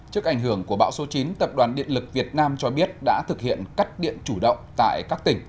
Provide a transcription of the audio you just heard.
trước ảnh hưởng của bão số chín tập đoàn điện lực việt nam cho biết đã thực hiện cắt điện chủ động tại các tỉnh